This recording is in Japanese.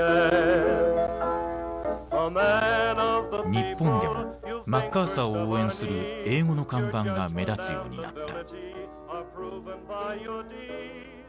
日本でもマッカーサーを応援する英語の看板が目立つようになった。